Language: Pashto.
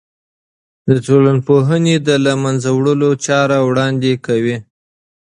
د ټولنپوهنه د له منځه وړلو چاره وړاندې کوي.